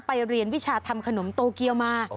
ไปเรียนวิชาธรรมขนมโตเกียม